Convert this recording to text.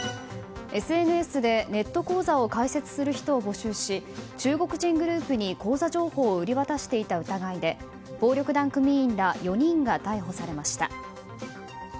ＳＮＳでネット口座を開設する人を募集し中国人グループに口座情報を売り渡していた疑いで暴力団組員ら４人が逮捕されました。